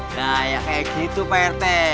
nah kayak gitu pak rt